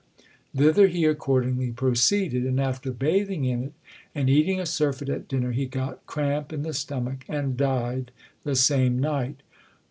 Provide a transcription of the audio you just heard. Thither he accordingly proceeded, and after bathing in it and eating a surfeit at dinner, he got cramp in the stomach, and died the same night.